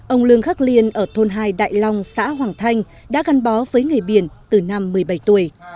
ông lương khắc liên ở thôn hai đại long xã hoàng thanh đã gắn bó với nghề biển từ năm một mươi bảy tuổi